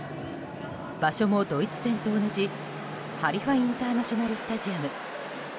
場所もドイツ戦と同じハリファ・インターナショナル・スタジアム。